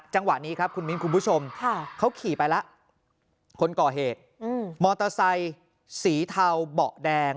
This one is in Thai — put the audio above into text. จังหวะนี้ครับคุณมิ้นคุณผู้ชมเขาขี่ไปแล้วคนก่อเหตุมอเตอร์ไซค์สีเทาเบาะแดง